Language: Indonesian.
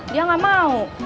dia nggak mau